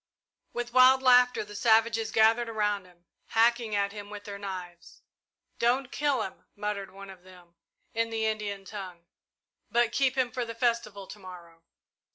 With wild laughter the savages gathered around him, hacking at him with their knives. "Don't kill him," muttered one of them, in the Indian tongue, "but keep him for the festival to morrow!"